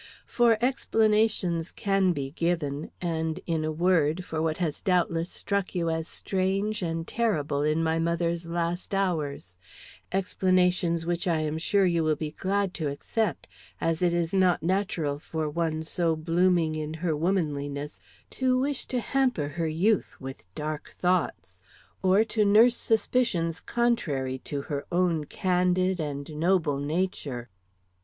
For explanations can be given, and in a word; for what has doubtless struck you as strange and terrible in my mother's last hours, explanations which I am sure you will be glad to accept, as it is not natural for one so blooming in her womanliness to wish to hamper her youth with dark thoughts, or to nurse suspicions contrary to her own candid and noble nature."